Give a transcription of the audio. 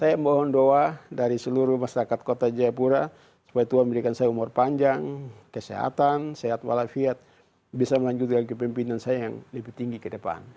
saya mohon doa dari seluruh masyarakat kota jayapura supaya tuhan memberikan saya umur panjang kesehatan sehat walafiat bisa melanjutkan kepimpinan saya yang lebih tinggi ke depan